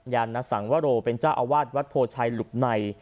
ยานสังวโรเป็นเจ้าอาวาสวัดโพชัยหลุบใน